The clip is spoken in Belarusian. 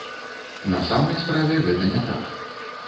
На самай справе гэта не так.